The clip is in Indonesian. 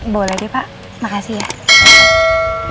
boleh deh pak makasih ya